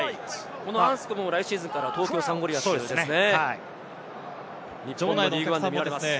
アンスコムも来シーズンから東京サンゴリアスでプレーしますね。